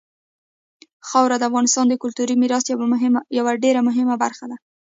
خاوره د افغانستان د کلتوري میراث یوه ډېره مهمه برخه ده.